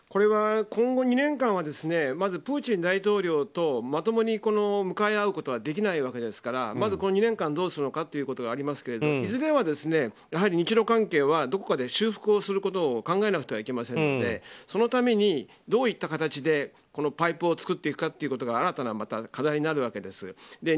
今後２年間はまず、プーチン大統領とまともに向かい合うことはできないわけですからまず２年間どうするのかというのがありますがいずれは、やはり日露関係はどこかで修復することを考えなくてはいけませんのでそのために、どういった形でこのパイプを作っていくかが新たな課題になるわけです。